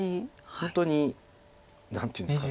本当に何ていうんですか。